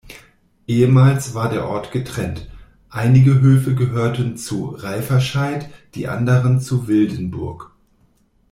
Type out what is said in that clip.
Ehemals war der Ort getrennt; einige Höfe gehörten zu Reifferscheid die anderen zu Wildenburg.